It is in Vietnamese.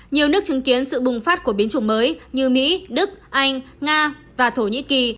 nhiều nước chứng kiến sự bùng phát của biến chủng mới như mỹ đức anh nga và thổ nhĩ kỳ